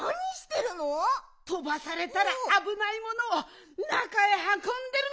とばされたらあぶないものをなかへはこんでるの！